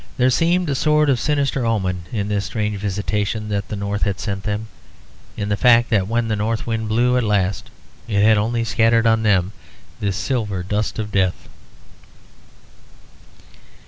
There seemed a sort of sinister omen in this strange visitation that the north had sent them; in the fact that when the north wind blew at last, it had only scattered on them this silver dust of death.